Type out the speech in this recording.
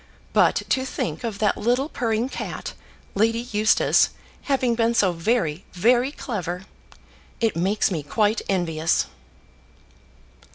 But to think of that little purring cat, Lady Eustace, having been so very very clever! It makes me quite envious."